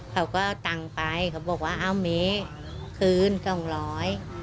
เค้าก็ตังไปเค้าบอกว่าเอาเม้คืนสองร้อย